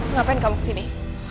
ngapain kamu kesini